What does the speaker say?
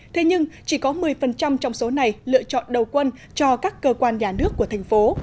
thế nhưng chỉ có một mươi trong số này lựa chọn đầu quân cho các cơ quan nhà nước của thành phố